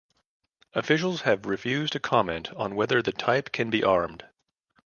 Officials have refused to comment on whether the type can be armed.